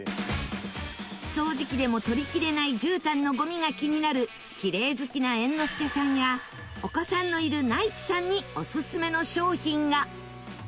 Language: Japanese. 掃除機でも取り切れないじゅうたんのゴミが気になるきれい好きな猿之助さんやお子さんのいるナイツさんにおすすめの商品が横尾：